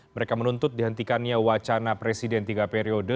mereka menuntut dihentikannya wacana presiden tiga periode